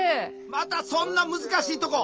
またそんな難しいとこ。